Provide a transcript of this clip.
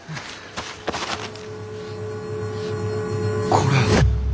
これ！